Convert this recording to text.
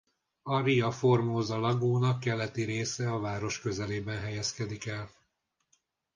A Ria Formosa lagúna keleti része a város közelében helyezkedik el.